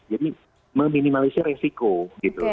jadi meminimalisir resiko gitu